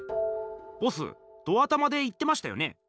ボスド頭で言ってましたよね？